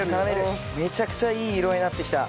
めちゃくちゃいい色合いになってきた。